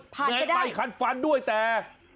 ผ่านไปได้ไปคันฟันด้วยแต่